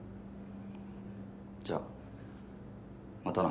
じゃあまたな。